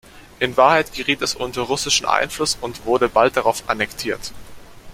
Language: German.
In Wahrheit geriet es unter russischen Einfluss und wurde bald darauf annektiert.